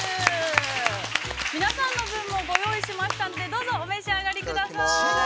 皆さんの分もご用意しましたんでどうぞ、お召し上がりください。